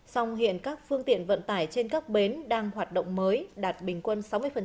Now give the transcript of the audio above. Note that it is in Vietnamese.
song hiện các phương tiện vận tải trên các bến đang hoạt động mới đạt bình quân sáu mươi